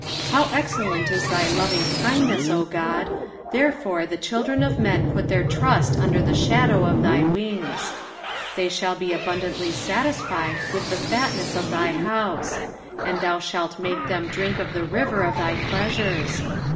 7 How excellent is thy lovingkindness, O God ! therefore the children of men put their trust under the shadow of thy wings. ogle ■ 176 EXPOSITIONS OF THE PSALUS. 8 They shall be abundantly satisfied with the fatness of thy house ; and thou shalt make them drink of the river of thy pleasures.